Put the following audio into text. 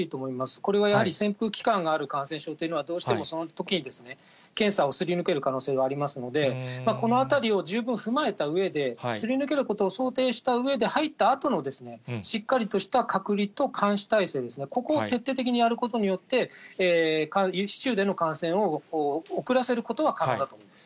これはやはり潜伏期間がある感染症というのは、どうしてもそのときに検査をすり抜ける可能性がありますので、このあたりを十分踏まえたうえで、すり抜けることを想定したうえで、入ったあとの、しっかりとした隔離と監視体制ですね、ここを徹底的にやることによって、市中での感染を遅らせることは可能だと思います。